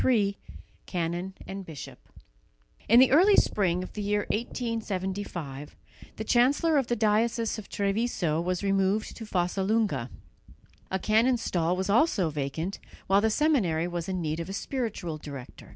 III CANON AND BISHOP In the early spring of the year 1875 the chancellor of the diocese of Treviso was removed to Fossalunga. A canon's stall was also vacant, while the seminary was in need of a spiritual director.